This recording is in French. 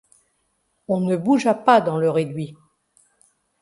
On ne bougea pas dans le réduit.